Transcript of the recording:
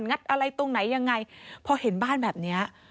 ัดอะไรตรงไหนยังไงพอเห็นบ้านแบบเนี้ย